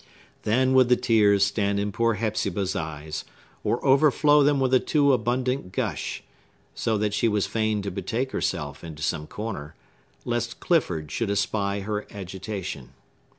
Then would the tears stand in poor Hepzibah's eyes, or overflow them with a too abundant gush, so that she was fain to betake herself into some corner, lest Clifford should espy her agitation.